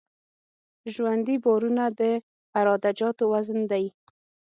ژوندي بارونه د عراده جاتو وزن دی